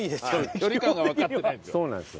距離感がわかってないんですよ。